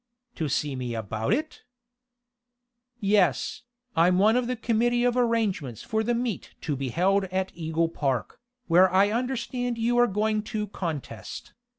"To see me about it?" "Yes. I'm one of the committee of arrangements for the meet to be held at Eagle Park, where I understand you are going to contest.